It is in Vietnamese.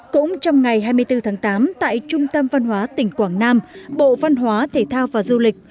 cũng trong ngày hai mươi bốn tháng tám tại trung tâm văn hóa tỉnh quảng nam bộ văn hóa thể thao và du lịch